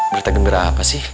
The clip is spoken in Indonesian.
berita gembira apa sih